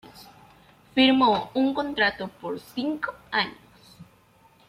Firmó un contrato por cinco años.